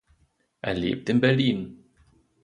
Er lebt in Berlin.